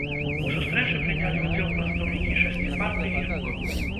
У сустрэчы прынялі ўдзел прадстаўнікі шасці партый і рухаў.